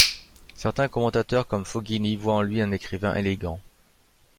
Certains commentateurs, comme Foggini, voient en lui un écrivain élégant.